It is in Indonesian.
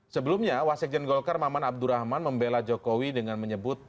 sebelumnya wasekjen golkar maman abdurrahman membela jokowi dengan menyebut